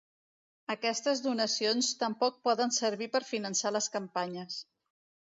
Aquestes donacions tampoc poden servir per finançar les campanyes.